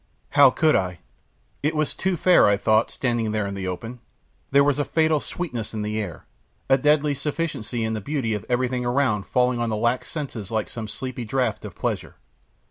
How could I? It was too fair, I thought, standing there in the open; there was a fatal sweetness in the air, a deadly sufficiency in the beauty of everything around falling on the lax senses like some sleepy draught of pleasure.